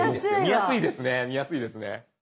見やすいですね見やすいですね。